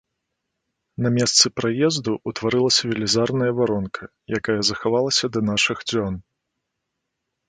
На месцы праезду ўтварылася велізарная варонка, якая захавалася да нашых дзён.